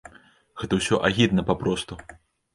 Гэта ўсё агідна папросту!